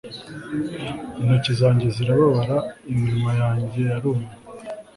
intoki zanjye zirababara, iminwa yanjye yarumye